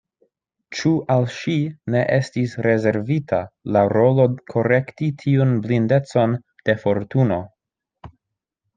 Ĉu al ŝi ne estis rezervita la rolo korekti tiun blindecon de Fortuno.